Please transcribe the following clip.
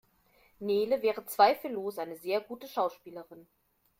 Nele wäre zweifellos eine sehr gute Schauspielerin.